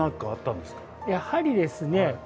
やはりですね